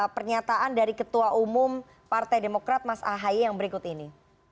pernyataan dari ketua umum partai demokrat mas ahaye yang berikut ini